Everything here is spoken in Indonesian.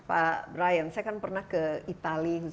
pak brian saya kan pernah ke itali